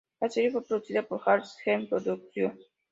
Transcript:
La serie fue producida por "Hal Seeger Productions".